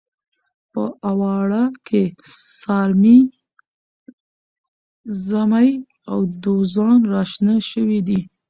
په اواړه کې سارمې، زمۍ او دوزان راشنه شوي دي.